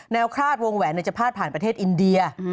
คลาดวงแหวนจะพาดผ่านประเทศอินเดีย